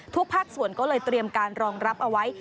ภาคส่วนก็เลยเตรียมการรองรับเอาไว้